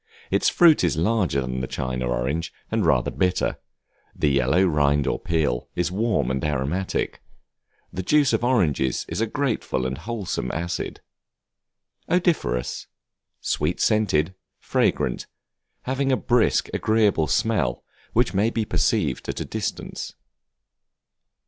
Its fruit is larger than the China orange, and rather bitter; the yellow rind or peel is warm and aromatic. The juice of oranges is a grateful and wholesome acid. Odoriferous, sweet scented, fragrant; having a brisk, agreeable smell which may be perceived at a distance.